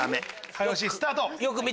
早押しスタート！